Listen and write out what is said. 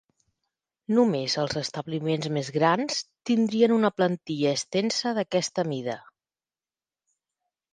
Només els establiments més grans tindrien una plantilla extensa d'aquesta mida.